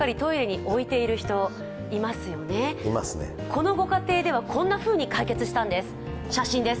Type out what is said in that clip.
このご家庭ではこんなふうに解決したんです。